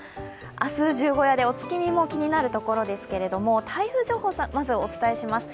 明日、十五夜でお月見も気になるところですけれども、台風情報、まずお伝えします。